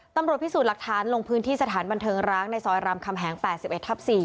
ตำรวจพิสูจน์หลักฐานลงพื้นที่สถานบันเทิงร้างในซอยรามคำแหง๘๑ทับ๔